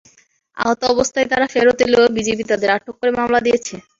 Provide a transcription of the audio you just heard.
আহত অবস্থায় তাঁরা ফেরত এলেও বিজিবি তাদের আটক করে মামলা দিয়েছে।